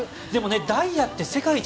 ダイヤって世界一